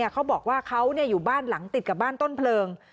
เขาบอกว่าเขาอยู่บ้านหลังติดกับบ้านต้นเพลิง